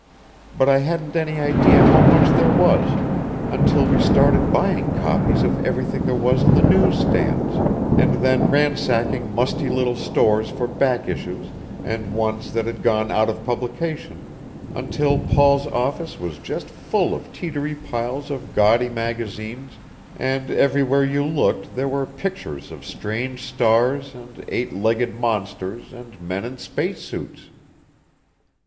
But I hadn't any idea how much there was, until we started buying copies of everything there was on the news stands, and then ransacking musty little stores for back issues and ones that had gone out of publication, until Paul's office was just full of teetery piles of gaudy magazines and everywhere you looked there were pictures of strange stars and eight legged monsters and men in space suits."